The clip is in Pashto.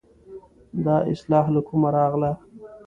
دا اصطلاح له کومه راغله.